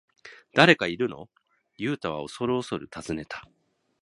「誰かいるの？」ユウタはおそるおそる尋ねた。